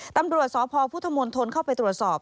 ตำรวจสพพุทธมนตรเข้าไปตรวจสอบ